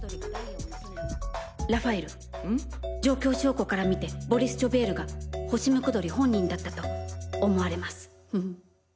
ラファエル状況証拠から見てボリス・ジョベールが「ホシムクドリ」本人だったと思われます。